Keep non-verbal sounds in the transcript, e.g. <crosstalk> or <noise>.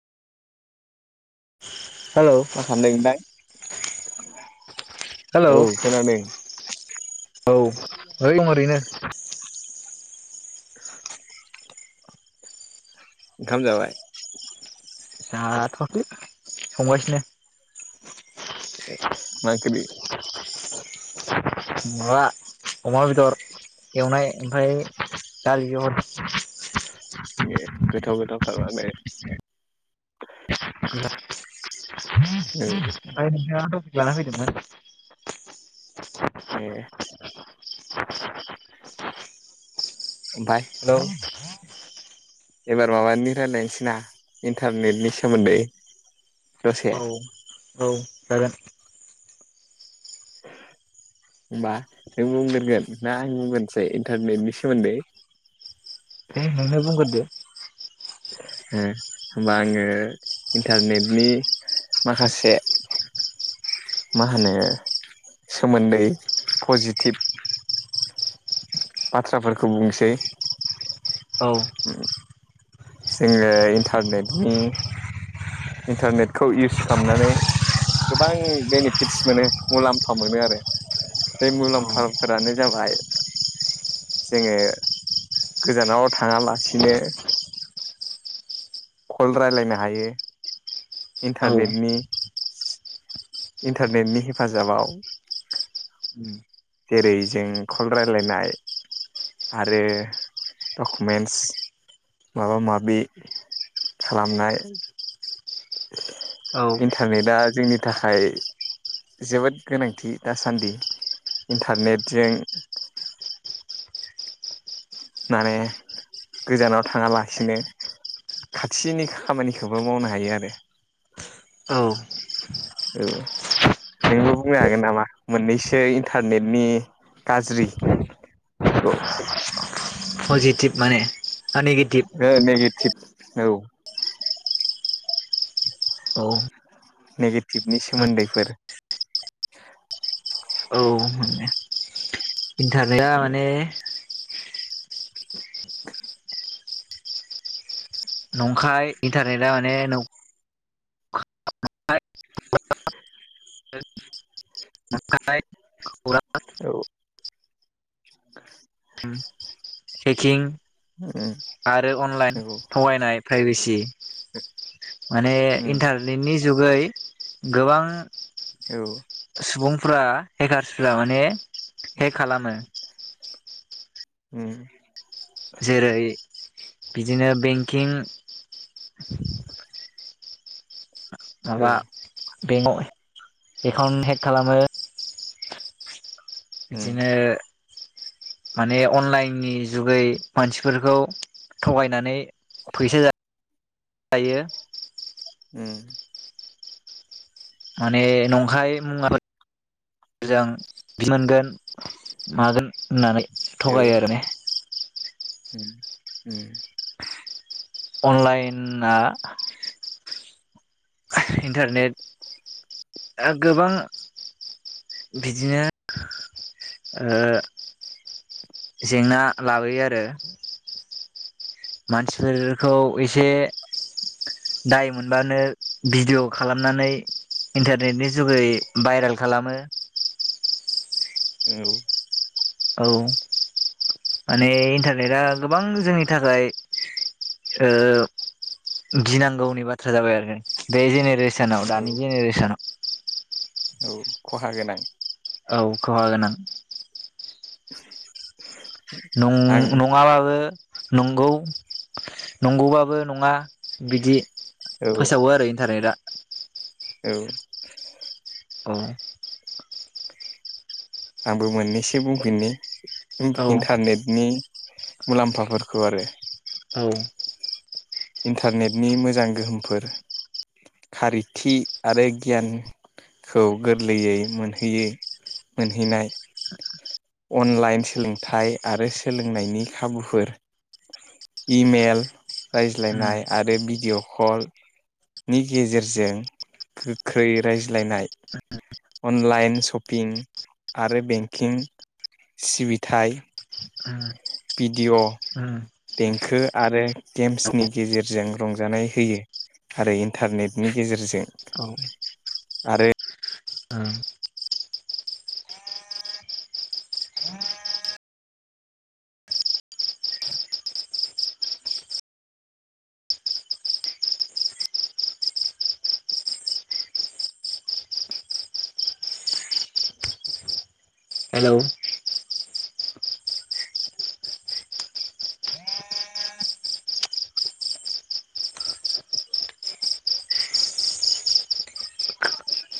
Hello मा खामदों <unintelligible> औ खोनादों। <inaudible> औ <unintelligible> दं ओरैनो <inaudible> ओंखाम जाबाय? जाथ'वाखै संगासिनो। मा ओंख्रि? माबा अमा बेदर। एवनाय ओमफाय <unintelligible> <unintelligible> गोथाव गोथावथार माथो। औ <unintelligible> जाना फैदोंना? ए ओमफ्राय हेलौ एबार माबानि रायलायनोसै ना इनटारनेटनि सोमोनदै। औ औ जागोन। होनबा नों बुंग्रोगोन ना आं बुंग्रोनसै इनटारनेटनि सोमोनदै? दे नोंनो बुंग्रोदो होमबा आङो इनटारनेटनि माखासे मा होनो सोमोनदै पजिटिभ बाथ्राफोरखौ बुंसै। औ जोङो इनटारनेटनि इन्टारनेटखौ इउस खालामनानै गोबां बेनिफिटस मोनो मुलाम्फा मोनो आरो बे मुलाम्फाफोरानो जाबाय जोङो गोजानाव थाङालासिनो कल रायलायनो हायो। औ इन्टारनेटनि इन्टारनेटनि हेफाजाबाव जेरै जों कल रायलायनाय आरो डकुमेन्टस माबा माबि खालामनाय। औ इन्टारनेटआ जोंनि थाखाय जोबोद गोनांथि दासान्दि इन्टारनेटजों माने गोजानाव थाङालासिनो खाथिनि खामानिखौबो मावनो हायो आरो। औ औ नोंबो बुंनो हागोन नामा मोननैसो इन्टारनेटनि गाज्रिफोरखौ पजिटिभ माने ना नेगेटिभ टिभ औ औ नेगेटिभनि सोमोन्दैफोर औ इन्टारनेटा माने <unintelligible> नंखाय इन्टारनेटआ माने नं खौरां औ सेकिं आरो अनलाइन थगायनाय प्राइभेसि माने उम इन्टारनेटनि जुगै गोबां औ सुबुंफ्रा हेकार्सफोरा माने हेक खालामो। उम जेरै बिदिनो बेंकिं औ माबा बेंकआव एकाउन्ट हेक खालामो। उम बिदिनो माने अनलाइननि जुगै मानसिफोरखौ थगायनानै फैसा जा आयो उम माने नंखाय <inaudible> जों मोनगोन मागोन होननानै औ थगायो आरो ने उम उम अनलायेना इन्टारनेट आ गोबां बिदिनो ओ जेंना लाबोयो आरो मानसिफोरखौ एसे दाय मोनबानो भिडिअ' खालामनानै इन्टारनेटनि जुगै भाइरेल खालामो। औ औ माने इन्टारनेटआ गोबां जोंनि थाखाय ओ गिनांगौनि बाथ्रा जाबाय आरो। बे जेनेरेसोनाव दानि औ जेनेरेसनाव औ खहा गोनां। औ खहा गोनां। <inaudible> नं आं नङा बाबो। नंगौ नंगौबाबो नङा बिदि। औ फोसावो आरो इन्टारनेट आ। औ अ आंबो मोननैसो बुंफिननि। इन औ इन्टारनेटनि मुलामफाफोरखौ आरो। औ इन्टारनेटनि मोजां गोहोमफोर खारिथि आरो गियानखौ गोरलैयै मोनहैयो मोनहैनाय अनलाइन सोलोंथाइ आरो सोलोंनायनि खाबुफोर इमेल उम रायज्लायनाय आरो बि भिडिय' कलनि गेजेरजों गोख्रै रायज्लायनाय अनलाइन शपिं आरो बेंकिं सिबिथाय उम भिडिअ उम देंखो आरो गेम्सनि गेजेरजों रंजानाय होयो आरो इन्टारनेटनि गेजेरजों औ आरो उम हेलौ